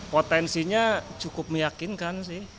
potensinya cukup meyakinkan sih